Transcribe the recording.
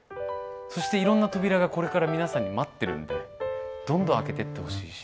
そしていろんな扉がこれから皆さんに待ってるのでどんどん開けてってほしいし。